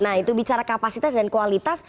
nah itu bicara kapasitas dan kualitas